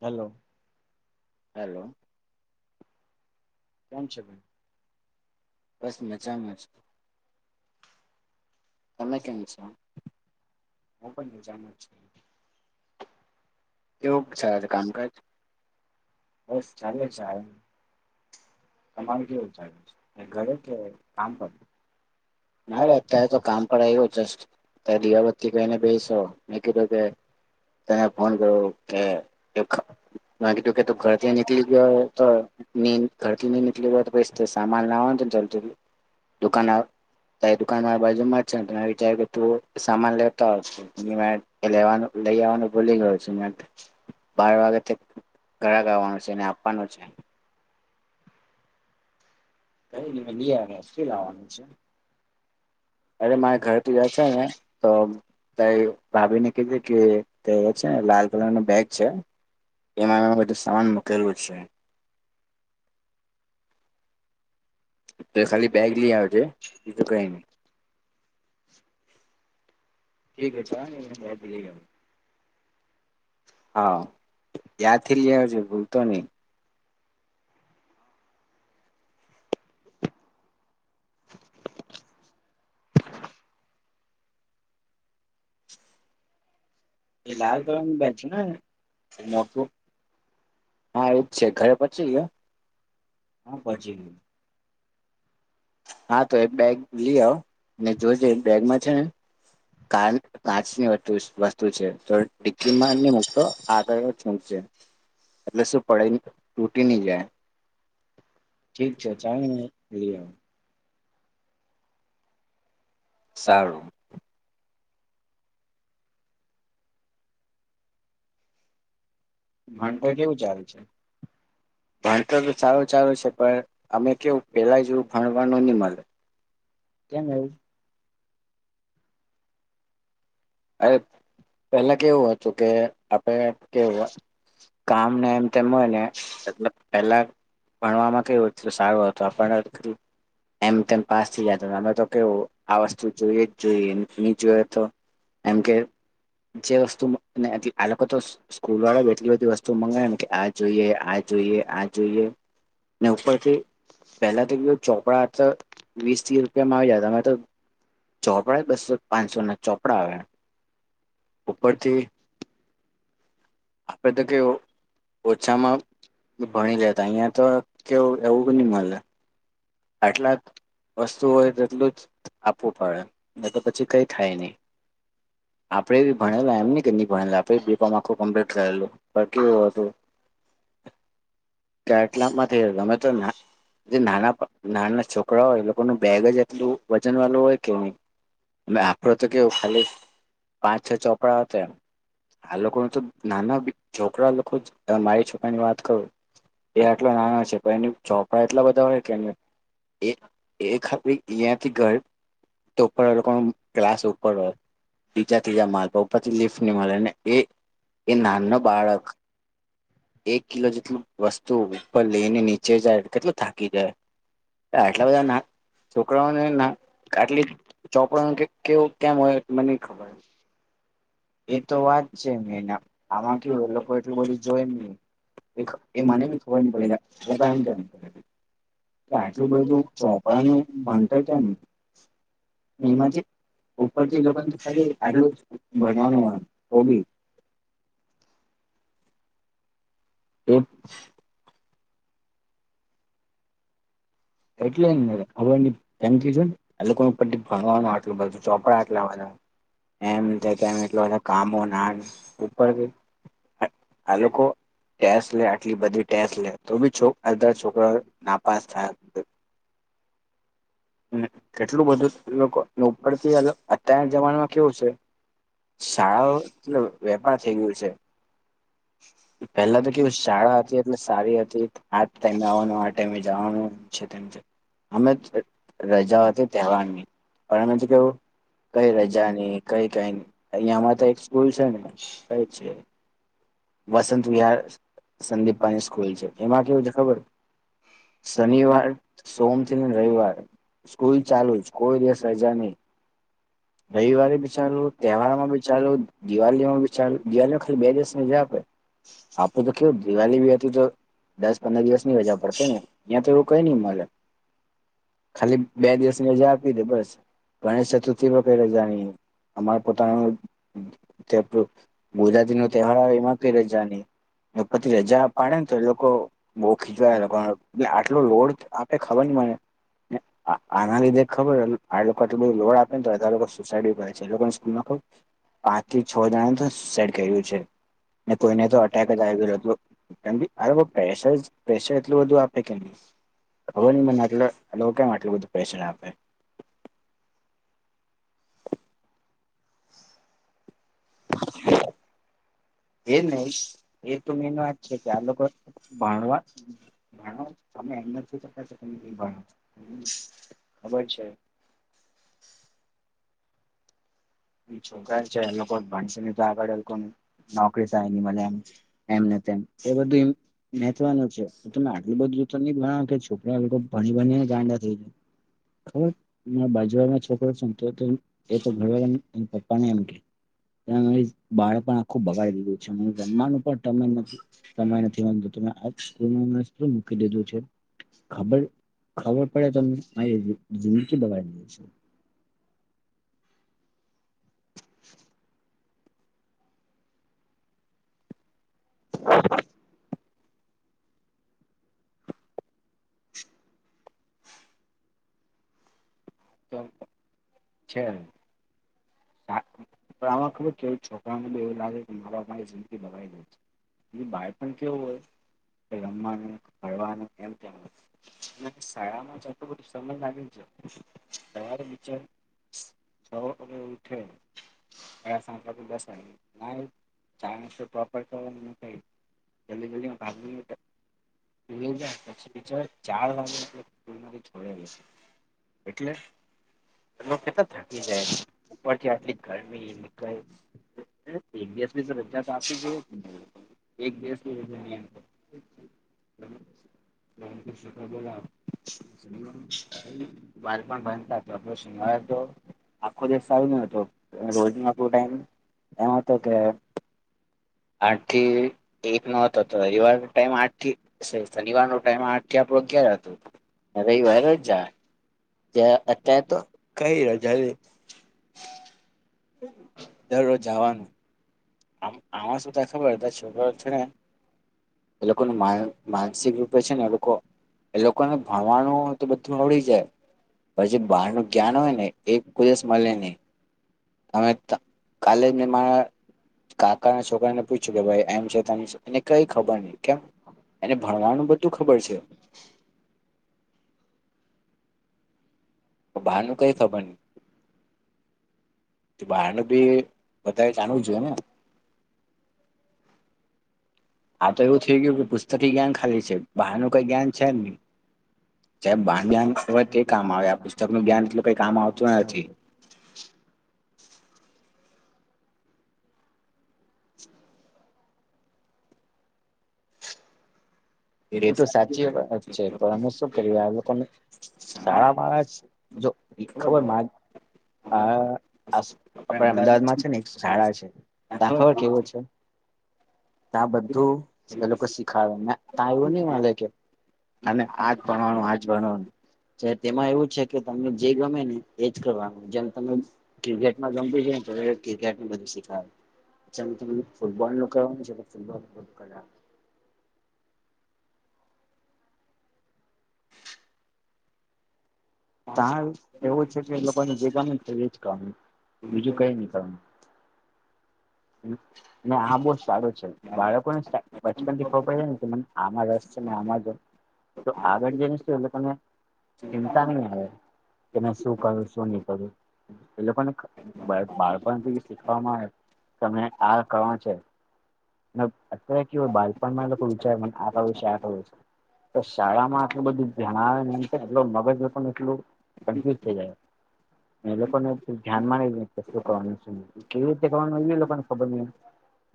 Hello hello બસ મચામાંજ હું પણ મજામાં કેવું ચાલે છે કામકાજ બસ ચાલે છે તમામ જે ગ કે કામ કર નારે અત્યારે તો કામ પણ આવ્યું જસ્ટ ત દીયાબત થી કઈને બેસો મે કીધું કે તને ફોન કરો હ એખ ત કે ત ઘરથી નિકલી ગયો હોય તો ન ઘરથી નની નિકલી ગયો તો ભ સાન ના હો ચાલતુ દુકાન તારી દુકાન વાળ બાજુ મળશે ને ત વિચાર્યું કે તું સામાન લેતા હો લેવાનું લઈ આવવાનું ભૂલી ગયો છું બાર વાગે ઘળ ગાવાનું છે ને આપવાનું છે કઈ ન લ આવવાનું શું લાવવાનું છે અરે મારા ઘર તજા છે ને તો ત ભાભીને કીધી કે તે છે લાલ કલર નું બેગ છે એમાંમાં બધું સમાન મૂકેલું છે તો એ ખાલી બેગ લઈ આવજ બીજું કઈ નહી ઠીક ચા ન બે લ ગ હા ત્યાંથી લે આવજો ભૂલતો નહી [inaudible] એ લાલ કલંગ બેચ હા એજ છે ઘરે પચી ગયો હા પચી ગયો હા તો એ બેગ લઈ આવો જોજે બેગમાં છે ને ક કાચની વસ્તુ છે તો દીકરીમાં આ છૂટ છે એટલે શું પડે તૂટી નહી જાય ઠીક છે ચાલ ને સારું ઘંન્ટકે ચાલ છે ભણતો તો સારો સારો છે પણ અમે કેવું પેલા જેવું ભણવાનું નહી મળે કેમ આવું? અરે, પેલા કેવુ હતુ કે આપે કેવું અ કામને એમ તેમ હોય ને, એ પેલા ભણવામાં કેટલું સારું હતું આપણને [unintelligible] એમ તેમ પાસ થી જાતો આમા તો કેવુ, આ વસ્તુ જોઈએ જ જોઈએ, ની જોય તો એમ કે જે વસ્તુ મ અ ને હજી આ લોકો તો સ કુલવાળા એટલી બધી વસ્તુ મંગાવે ને કે, આ જોઈએ, આ જોઈએ, આ જોઈએ ને ઉપરથી પેલા તો કેવુ, ચોપડા ત વીસ ત્રીસ રૂપિયામાં આવી જતા અમારે તો ચોપડાય, બસો પાંચસો ના ચોપડા આવે ઉપરથી અ તો કેઉ ઓછામાં ભણી લેતા અહિયાં તો કેવુ, એવુ ની મલે આટલા ત વસ્તુ હોય તેટલું જ આપવું પડે, નહીં તો પછી કઈ થાય નહી. આપડે બી ભણેલા, એમ ની કે ની ભણેલા, આપણે બીકોમ આખું કમ્પ્લીટ થયેલું, પન કેવુ હતુ કેટલામાંથી ગમે તો ના, જે નાના નાના છોકરા હોય એ લોકોનું બેગ જ એટલું વજન વાલુ હોય કે ની અને, આપડ તો કેવુ ખાલી પાંચ છ ચોપડા હતા એમ. આ લોકોને તો, નાના બી, છોકરા લોકો જ, મારી છોકરાની વાત કરું એ આટલો નાનો છે, પણ એની ચોપડા એટલા બધા હોય કે એને એ એ ખાલી ઈયાંથી ઘર તો ઉપર, એ લોકોનોમ ક્લાસ ઉપર હોય. બીજા ત્રીજા માલ, ઉપરથી લિફ્ટ ની મલે ને એ એ નાનો બાળક એક કિલો જેટલું વસ્તુ, ઉપર લઈને નીચે જાય. કેટલું થાકી જાય! આટલા બધા ના છોકરાઓને આટલી ચોપડા ન કે કેવું કેમ હોય, મને નઈ ખબર. એ તો વાત છે મેના, આમાં કેવુ એ લોકો એટલું બધું જોય ની એ મને બી ખબર ની પડે કે ચોપડા એમ કેમ કે આટલું બધું ચોપડાનું ભણતર કેમ? એમાં છે ઉપરથી એ લોકોને ખાલી આટલું ભણવાનું હોય તો બી એ છે એટલે એમ ખબર ની, કેમકે જોન આ લોકોને ભણવાનું આટલુ બધુ, ચોપડા આટલા બધા એમ ની થાય કેમ એટલા બધા કામોને આન. ઉપરથી અ આ લોકો ટેસ્ટ લે, આટલી બધી ટેસ્ટ લે, તો બી, છો, અડધા છોકરાઓ નાપાસ થાય. ને કેટલું બધું, લોકો, ઉપરથી મતલબ, અત્યારના જમાનામાં કેવું છે શાળાઓ એટલે વ, વેપાર થઈ ગયું છે. પેલા તો કેવું શાળા હતી એટલે સારી હતી. આા ટાઈમે આવવાનું આ ટાઈમે જાવાનું એથેમ છે, અમે જે, રજા હતી તહેવારની, પણ અમે તો કેવું એ રજાની કઈ કઈ, અહિયામાં તો એક સ્કૂલ છે ને, કઈ છે વસંતવિહાર સંદિપાની સ્કૂલ છે, એમાં કેવું છે ખબર સનિવાર, સોમથી ને રવિવાર સ્કૂલ ચાલુ જ. કોઈ દિવસ રજા નહી. રવિવારે બી ચાલુ, તહેવારમાં બી ચાલુ, દિવાલીમાં બી ચાલુ, દિવાલીમાં ખાલી બે દિવસ રજા આપણે તો કેવુ દિવાલી બી હતી તો દસ પંદર દિવસની રજા પડતી ને? ત્યાં તો એવું કંઇ ની મલે. ખાલી બે દિવસ ની રજા આપી દે, બસ. ગણેશ ચતુર્થી પણ કઈ રજા ની. અમાર પોતાનો તે પેલુ, ગુજરાતીનો તહેવાાર આવે એમાં કંઈ રજા ની. પતિ રજા પાડે ને તો એ લોકો બહ ખીચવા લોકો એટલે આટલો લોડ આપડે ખબર ન મળ હ આના લીધે ખબર આ આટલ બધ લોડ આપે નેધા સુસાઈડ કરે છે એ સ્કૂલ ખ પાંચ થી છ જણાને તો સેડ કર્યું છે ને કોઈને તો અટેક જ આવ્યું હતું કેમ અરે પ્રેશર પ્રેશર એટલું બધું આપે કે નહી હ નહી મનેટ કેમ આટલું બધું પેશન આપે [inaudible] એ ન એ તો મેન વાત છે કે આ લોકો ભણવા ભણવા તમે એ નથીક ત નિભ ખબર છે [inaudible] છોકરા છે એ લોકો ભણશે નહી તો આગળ કો નોકરી થાય ન મ એમ એમને એ બધુંહેવાનું છે તમે આટલું બધુંણ કે છો લોકો ભણી ભને ગાંડા થઈ જાય ખબર બાજુ છોકરો એ તો ઘરે એ પપ્પાને એમ કે ત બાળ પણ આખું ભગાવી દીધું છે જમવાનું પણ નથી સમય નથી વાંધ આ શ મૂકી દીધું છે. ખબર ખબર પડે તો જિંદગી દબવી છે. [unintelligible] [unintelligible] તો છે. આમાં ખબર કે છોકરાને એવું લાગે કે મા બાપ મારી જિંદગી બગવી દે છે. એ ભાઈ પણ કેવું હોય રમવાનું ભવાનું એમ તેમ શાળામાં જ આટલો બધો સમય લાગે છે. તાર બચાર એવુંઠે એ બસ ચ શ પ્રોપર થ ક જલ્દી જલ્દી હટ. પછી બ ચાર વાગે ફૂથી છડે હતી. એટલે લોકો કેતા થાકી જાય છે. ઉપરથી આટલી ગરમી દિવસ તો રજ્જાત આપી જો એક દેશની રીતે ન અ શ બાાર પણ બંધતા તો આપ શિંગળ તો આખો દેશ સારું ન હતો રોજ ન ઓ ટાઈમ એમ હતો કે [unintelligible] આઠ થી એક નો હતો તો રવિવાર ન ટાઈમ આઠ થી શનિવાર નો ટાઈમ આઠ કે આપડો ક્યારે હતો રવિવાર જ જાાય. તત્યા તો કહી રજા નહી. દરરોજ જવાનું આમ. આમાં સુુંધ ખબર ત છોકરો છે ને એ લોકોનું માન માનસિક રૂપે છે ને એ લોકો એ લોકોને ભણવાનું તો બધું આવડી જાય. પછી બહાર ન જ્ઞાન હોય ને એ કોદ મળે નહી. તમે કાલે ને મારા કાકા ના છોકરા ને પૂછ્યું કે ભાઈ એમ છે તમ છે એને કઈ ખબર નહી કેમ એને ભણવાનું બધું ખબર છે બાનુ કઈ ખબર નહિ. બહારનું બી બારે જાણવું જોઈએને. આ તો એવું થઈ ગયું કે પુસ્તક જ્ઞાન ખાલી છે બહારનું કઈ જ્ઞાન છે નહી. સાહેબ ભાનન હોય તે કામ આવે આ પુસ્તક નું જ્ઞાન એટલ કઈ કામ આવતું નથી. [unintelligible] હ. એ તો સાચી વાત છે પરંતુ શું કરીયું આ લોકોને શાળા મહારાજ જો ખબર મા [inaudible] [inaudible] આ બધું એ લોકો શીખડે ને તા આવું ની મલે કે અને આજ ભણવાનું આજ ભણવાનું છે તેમાં એવું છે કે તમને જે ગમે ને એજ કરવાનું જેમ તમે ક્રિકેટમાં ગમ તુ છે ને તો ક્રિકેટને બધું શીખવાડે છા તમને ફૂટબોલ નું કરવાનું છે ફૂટબોલ કરા [unintelligible] તાર એવું છે કે લોકોને જે ગમે એ જ કામ બીજું કઈ ની કરવાનું ને આ બો સારું છે બાળકોને બચપન થી ખબર પડે ને મને આમાં રસ છે આમાં જો તો આગળ જઈને શું એ લોકોને ચિંતા નહીં આવે કે મે શું કર્યું શું ની કર્યું એ લોકોને બાળપણ શીખવામાં આવે તમે આ કહો છે ને અત્યારે કેવું હોય બાળપણમાં એ લોકો વિચારને આ કરવું છે આ કરવુ છે તો શાળામાં આટલું બધું ધ્યાન આવે એમ આટલુ મગજ પણ એટલું કન્ફ્યુઝ થઈ જાય એ લોકોને ધ્યાન ને કે શું કરવાનું શું ની કેવી રીતે કરવાનું હોય એ લોકોને ખબર ન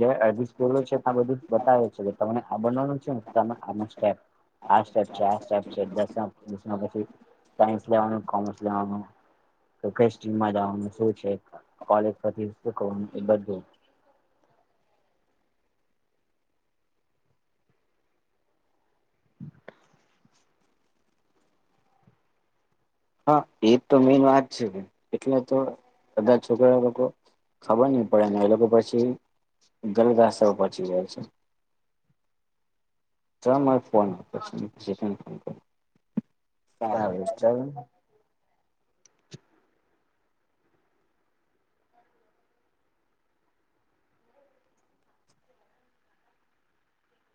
જે અડધી સ્કૂલો છે ત્યા બધું બતાવે છે તને આ બનવાનું છે ને તમે આ સ્ટેપ આ સ્ટેપ છે આ સ્ટેપ છે દસ પછી સાયન્સ લેવાનું કોમર્સ લેવામા કે કઈ સ્ટીમમાં જવાનું શું છે કોલેજથી શું કરવાનું એ બધું [inaudible] હા એ તો મેન વાત છે કે એટલે તો બધા છોકરા લોકો ખબર નહી પડે અને એ લોકો પછી ગલત રાસ્તાઓ પોચી જાય છે સર મારે ફોન આપ છે ફોન કર તારું ચાલ